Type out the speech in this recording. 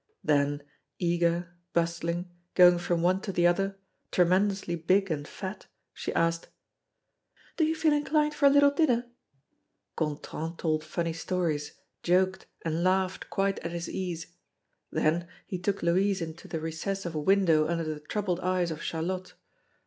Then, eager, bustling, going from one to the other, tremendously big and fat, she asked: "Do you feel inclined for a little dinner?" Gontran told funny stories, joked, and laughed quite at his ease. Then, he took Louise into the recess of a window under the troubled eyes of Charlotte.